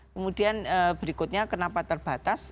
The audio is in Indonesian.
kemudian berikutnya kenapa terbatas